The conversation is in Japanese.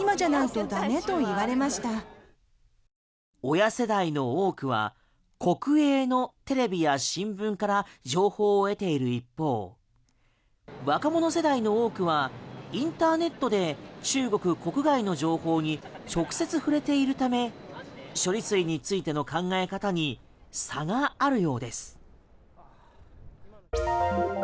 親世代の多くは国営のテレビや新聞から情報を得ている一方若者世代の多くはインターネットで中国国外の情報に直接触れているため処理水についての考え方に差があるようです。